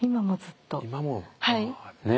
はい。